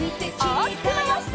おおきくまわして。